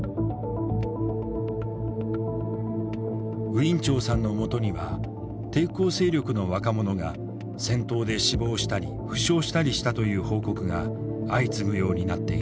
ウィン・チョウさんのもとには抵抗勢力の若者が戦闘で死亡したり負傷したりしたという報告が相次ぐようになっている。